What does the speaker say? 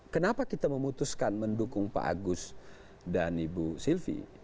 kenapa kita memutuskan mendukung pak agus dan ibu sylvi